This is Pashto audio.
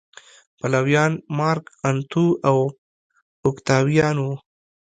پلویان مارک انتو او اوکتاویان و